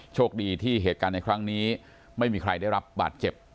โชคดีที่เหตุการณ์ในครั้งนี้ไม่มีใครได้รับบาดเจ็บ